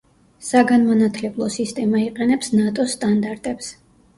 საგანმანათლებლო სისტემა იყენებს ნატოს სტანდარტებს.